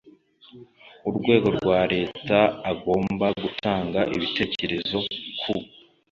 urwego rwa leta agomba gutanga ibitekerezo ku